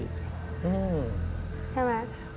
ใช่ไหม